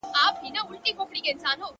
نور به یې شنې پاڼي سمسوري نه وي؛